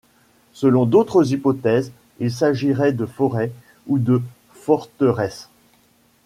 Selon d'autres hypothèses il s'agirait de forêt ou de forteresse.